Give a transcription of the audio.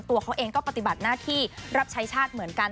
ตัวเขาเองก็ปฏิบัติหน้าที่รับใช้ชาติเหมือนกัน